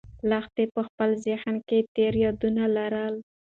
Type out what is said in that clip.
لښتې په خپل ذهن کې تېر یادونه لرل.